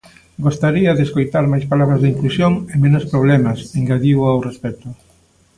Gostaría de escoitar máis palabras de inclusión e menos problemas, engadiu ao respecto.